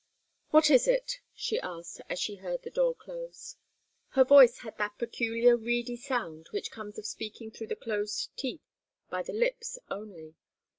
"What is it?" she asked, as she heard the door close. Her voice had that peculiar reedy sound which comes of speaking through the closed teeth by the lips only.